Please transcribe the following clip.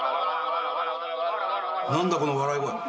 何だこの笑い声。